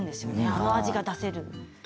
あの味が出せる。